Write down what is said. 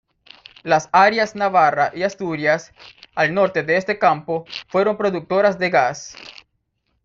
Las áreas Navarra y Asturias, al norte de este campo, fueron productoras de gas.